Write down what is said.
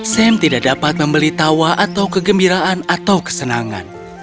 sam tidak dapat membeli tawa atau kegembiraan atau kesenangan